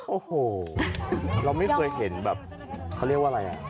โอ้โหเราไม่เคยเห็นแบบ